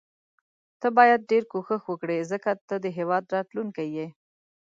ته باید ډیر کوښښ وکړي ځکه ته د هیواد راتلوونکی یې.